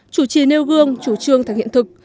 chủ trì nêu gương chủ trương thành hiện thực